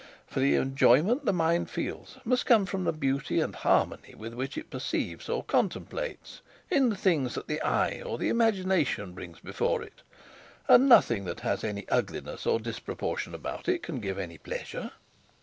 For the enjoyment the mind feels must come from the beauty and harmony which it perceives or contemplates in the things that the eye or the imagination brings before it; and nothing that has any ugliness or disproportion about it can give any pleasure.